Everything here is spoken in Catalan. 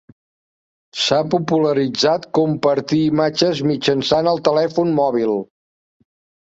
S'ha popularitzat compartir imatges mitjançant el telèfon mòbil.